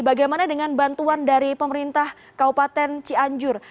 bagaimana dengan bantuan dari pemerintah kabupaten cianjur